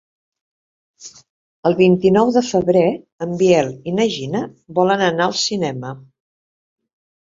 El vint-i-nou de febrer en Biel i na Gina volen anar al cinema.